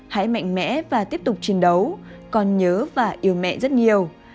hãy mạnh mẽ và tiếp tục chiến đấu còn nhớ và yêu mẹ rất nhiều